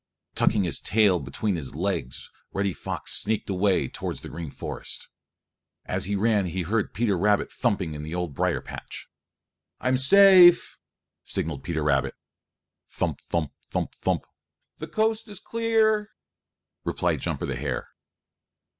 Tucking his tail between his legs, Reddy Fox sneaked away towards the Green Forest. As he ran he heard Peter Rabbit thumping in the old brier patch. "I'm safe," signaled Peter Rabbit. "Thump, thump, thump, thump! The coast is clear," replied Jumper the Hare.